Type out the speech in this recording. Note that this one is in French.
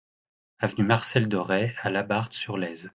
Avenue Marcel Doret à Labarthe-sur-Lèze